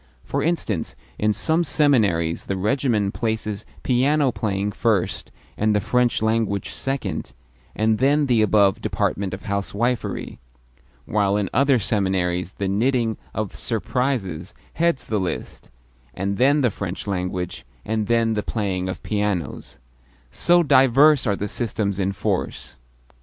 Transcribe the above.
For instance, in some seminaries the regimen places piano playing first, and the French language second, and then the above department of housewifery; while in other seminaries the knitting of "surprises" heads the list, and then the French language, and then the playing of pianos so diverse are the systems in force!